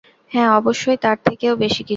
হ্যাঁ, অবশ্যই, তার থেকেও বেশি কিছু।